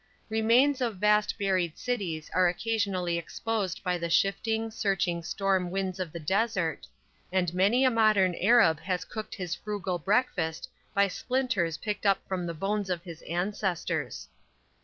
Remains of vast buried cities are occasionally exposed by the shifting, searching storm winds of the desert, and many a modern Arab has cooked his frugal breakfast by splinters picked up from the bones of his ancestors.